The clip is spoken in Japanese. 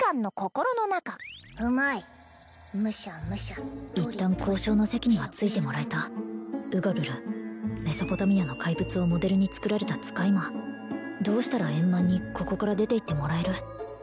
うまいむしゃむしゃ一旦交渉の席にはついてもらえたウガルルメソポタミアの怪物をモデルにつくられた使い魔どうしたら円満にここから出て行ってもらえる？